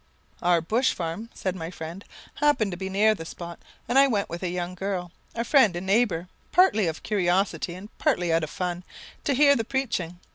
"Our bush farm," said my friend, "happened to be near the spot, and I went with a young girl, a friend and neighbour, partly out of curiosity and partly out of fun, to hear the preaching.